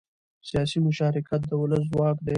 سیاسي مشارکت د ولس ځواک دی